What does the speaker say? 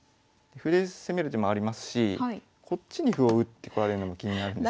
歩で攻める手もありますしこっちに歩を打ってこられるのも気になるんですよね。